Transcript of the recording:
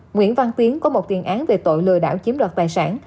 nguyễn văn tiến có một tiền án về tội lừa đảo chiếm đoạt tài sản